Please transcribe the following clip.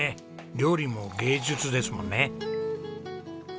料理も芸術ですもんね。